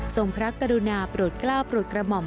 ส่งพระกุรุณาปรดกล้าปรุกกระหม่อม